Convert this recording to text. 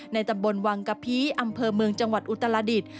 ตำบลวังกะพีอำเภอเมืองจังหวัดอุตรดิษฐ์